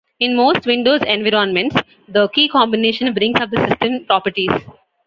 In most Windows environments, the key combination brings up the system properties.